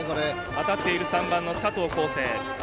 当たっている３番の佐藤光成。